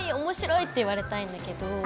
面白い！って言われたいんだけど。